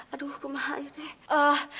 aduh kemah aja teh